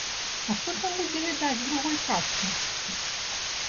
А што там будзе відаць з другой казкі?